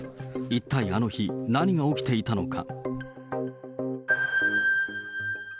一体あの日、何が起きていたのか。